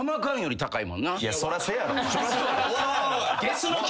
いやそらそうやろ。